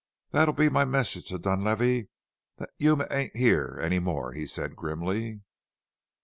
"That'll be my message to Dunlavey that Yuma ain't here any more," he said grimly.